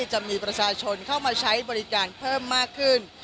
จะมีประชาชนเข้ามาใช้บริการเพิ่มมากขึ้น